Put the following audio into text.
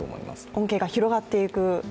恩恵が広がっていく？